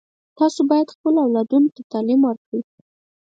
تاسو باید خپلو اولادونو ته تعلیم ورکړئ